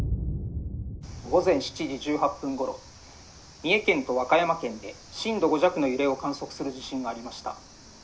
「午前７時１８分ごろ三重県と和歌山県で震度５弱の揺れを観測する地震がありました」。